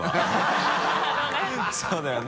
そうだよね。